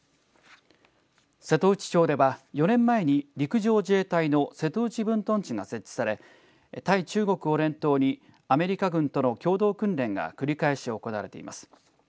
瀬戸内町では４年前に陸上自衛隊の瀬戸内分屯地が設置され対中国を念頭にアメリカ軍との共同訓練が繰り返し行われています。